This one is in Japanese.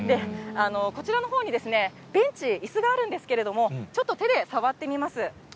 こちらのほうに、ベンチ、いすがあるんですけれども、ちょっと手で触ってみます。